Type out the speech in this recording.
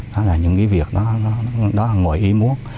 đó là những cái việc đó đó là mọi ý muốn